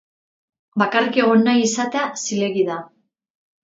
Bakarrik egon nahi izatea zilegi da.